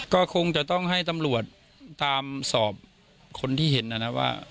ก็คงจะต้องให้ตำรวจตามสอบคนที่เห็นนะนะว่า